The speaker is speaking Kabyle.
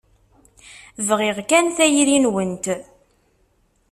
Bɣiɣ kan tayri-nwent.